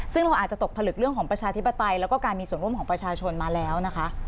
ซึ่งเราอาจจะตกผลึกเรื่องของประชาธิปไตยแล้วก็การมีส่วนร่วมของประชาชนมาแล้วนะคะ